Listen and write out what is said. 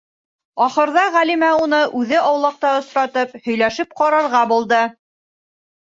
Ахырҙа Ғәлимә уны үҙе аулаҡта осратып һөйләшеп ҡарарға булды: